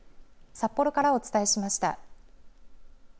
札幌からお伝えしました。